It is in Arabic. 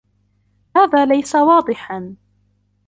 هذا ليس واضحا.